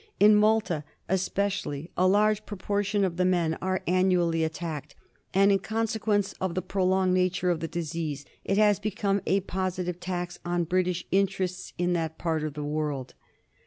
In Malta especially a large proportion of the men are annually MEDITERRANEAN FEVER. I7I attacked, and in consequence of the prolonged nature of the disease it has become a positive tax on British interests in that part of the world.